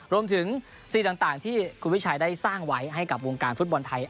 สิ่งต่างที่คุณวิชัยได้สร้างไว้ให้กับวงการฟุตบอลไทย